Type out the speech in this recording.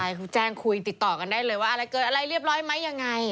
ใช่เขาแจ้งคุยติดต่อกันได้เลยว่าอะไรเกิดอะไรเรียบร้อยไหมยังไง